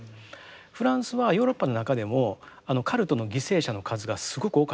フランスはヨーロッパの中でもカルトの犠牲者の数がすごく多かったんです。